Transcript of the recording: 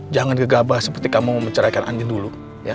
jangan gegabah seperti kamu mencerahkan angin dulu